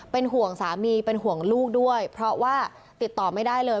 เป็นห่วงสามีเป็นห่วงลูกด้วยเพราะว่าติดต่อไม่ได้เลย